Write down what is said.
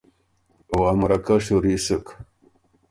او ا مرکۀ شُوري سُک هۀ۔